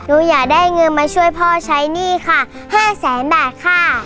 หนูอยากได้เงินมาช่วยพ่อใช้หนี้ค่ะ๕แสนบาทค่ะ